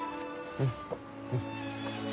うん。